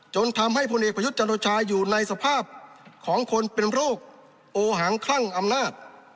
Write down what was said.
จนทำให้พลเอกประยุทธ์จันโอชาอยู่ในสภาพของคนเป็นโรคโอหังคลั่งอำนาจ